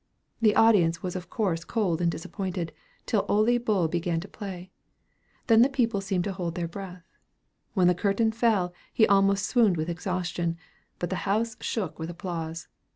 The audience was of course cold and disappointed till Ole Bull began to play. Then the people seemed to hold their breath. When the curtain fell, he almost swooned with exhaustion, but the house shook with applause.